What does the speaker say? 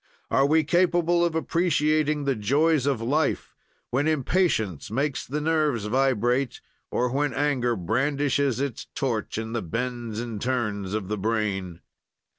"Are we capable of appreciating the joys of life when impatience makes the nerves vibrate or when anger brandishes its torch in the bends and turns of the brain?